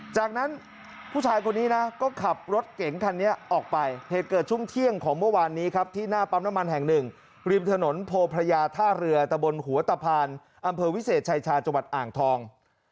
จากนั้นผู้ชายคนนี้นะก็ขับรถเก๋งคันนี้ออกไปเหตุเกิดช่วงเที่ยงของเมื่อวานนี้ครับที่หน้าปั๊มน้ำมันแห่งหนึ่งริมถนนโพพระยาท่าเรือตะบนหัวตะพานอำเภอวิเศษชายชาจังหวัดอ่างทอง